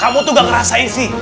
kamu tuh gak ngerasain sih